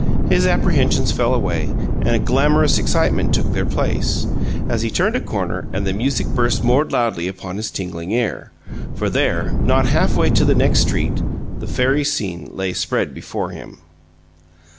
His apprehensions fell away, and a glamorous excitement took their place, as he turned a corner and the music burst more loudly upon his tingling ear. For there, not half way to the next street, the fairy scene lay spread before him.